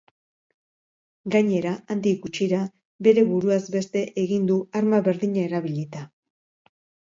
Gainera, handik gutxira, bere buruaz beste egin du arma berdina erabilita.